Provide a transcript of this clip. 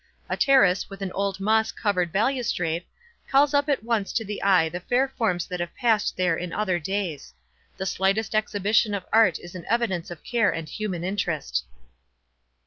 A terrace, with an old moss covered balustrade, calls up at once to the eye the fair forms that have passed there in other days. The slightest exhibition of art is an evidence of care and human interest."